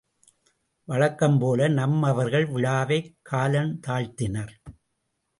வழக்கம்போல நம்மவர்கள் விழாவைக் காலந்தாழ்த்தினர்.